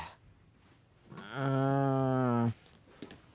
うん。